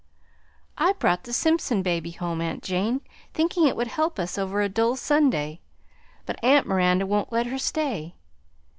"I brought the Simpson baby home, aunt Jane, thinking it would help us over a dull Sunday, but aunt Miranda won't let her stay.